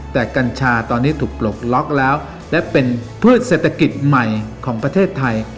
แต่กัญชาตอนนี้ถูกปลดล็อกแล้วและเป็นพืชเศรษฐกิจใหม่ของประเทศไทย